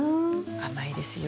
甘いですよ。